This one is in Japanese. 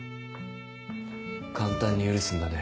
簡単に許すんだね。